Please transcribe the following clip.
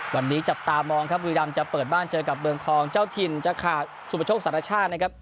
วันนี้จับตามองครับบุรีรำจะเปิดบ้านเจอกับเมืองทองเจ้าถิ่นจะขาดสุปโชคสารชาตินะครับ